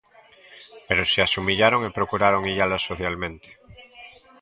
Pero si as humillaron e procuraron illalas socialmente.